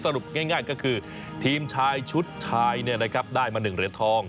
ง่ายก็คือทีมชายชุดชายได้มา๑เหรียญทอง